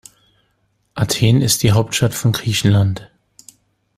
Athen ist die Hauptstadt von Griechenland.